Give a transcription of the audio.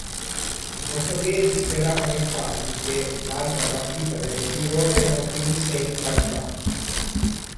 I portoghesi speravano infatti che l'altra partita del girone non finisse in parità.